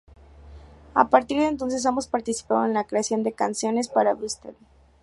A partir de entonces, ambos participaron en la creación de canciones para Busted.